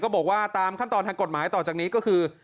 ก็บอกว่าตามขั้นตอนในตัวต่อจากนี้ก็คือ